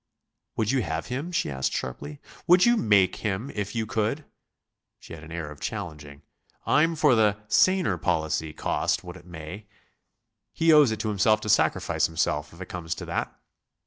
"Would you have him?" she asked sharply; "would you make him if you could?" She had an air of challenging. "I'm for the 'saner policy!' cost what it may. He owes it to himself to sacrifice himself, if it comes to that."